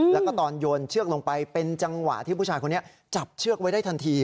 แล้วก็ตอนโยนเชือกลงไปเป็นจังหวะที่ผู้ชายคนนี้จับเชือกไว้ได้ทันที